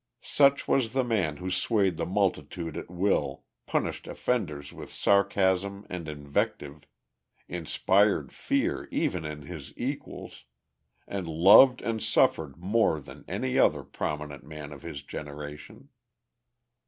Such was the man who swayed the multitude at will, punished offenders with sarcasm and invective, inspired fear even in his equals, and loved and suffered more than any other prominent man of his generation.